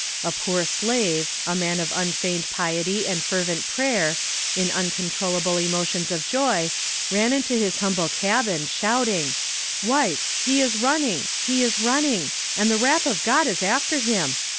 A poor slave, a man of unfeigned piety and fervent prayer, in uncontrollable emotions of joy, ran into his humble cabin, shouting: 'Wife, he is running, he is running, and the wrath of God is after him.